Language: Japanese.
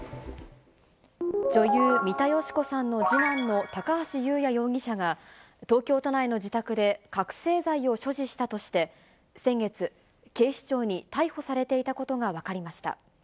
女優、三田佳子さんの次男の高橋祐也容疑者が、東京都内の自宅で、覚醒剤を所持したとして、先月、警視庁に逮捕されていたことが分かりました。